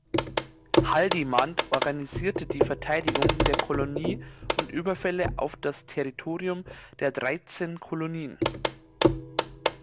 Haldimand organisierte die Verteidigung der Kolonie und Überfälle auf das Territorium der Dreizehn Kolonien.